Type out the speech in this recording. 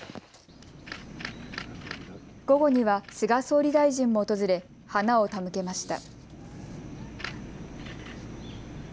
午後には菅総理大臣も訪れ花を手向けました。